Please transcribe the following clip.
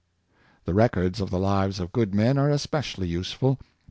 The records of the Hves of good men are especially useful.